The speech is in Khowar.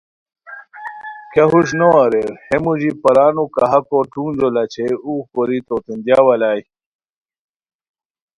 کیہ ہوݰنو اریر ہے موژی پرانو کاہاکو ٹونجو لاچھئے اُوغ کوری توتین دیاؤ الائے